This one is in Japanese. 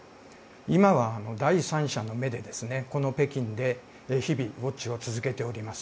今は第三者の目で、この北京で日々ウォッチを続けています。